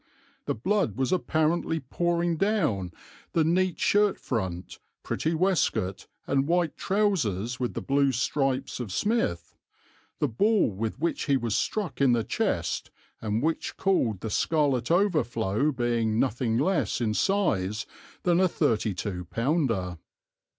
The blood was apparently pouring down the neat shirt front, pretty waistcoat and white trousers with the blue stripes of Smith, the ball with which he was struck in the chest and which called the scarlet overflow being nothing less in size than a thirty two pounder.